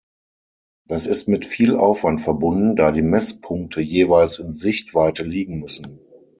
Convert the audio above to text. Das ist mit viel Aufwand verbunden, da die Messpunkte jeweils in Sichtweite liegen müssen.